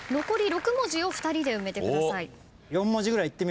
残り６文字を２人で埋めてください。